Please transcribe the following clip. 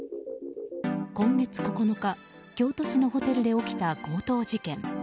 今月９日、京都市のホテルで起きた強盗事件。